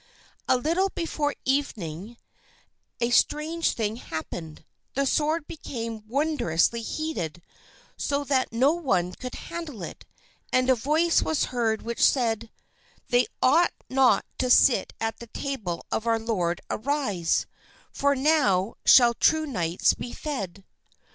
A little before evening a strange thing happened; the sword became wondrously heated so that no one could handle it, and a voice was heard which said, "They that ought not to sit at the table of our Lord arise, for now shall true knights be fed."